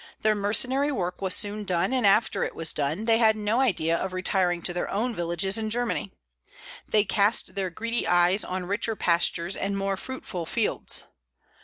Their mercenary work was soon done, and after it was done they had no idea of retiring to their own villages in Germany. They cast their greedy eyes on richer pastures and more fruitful fields.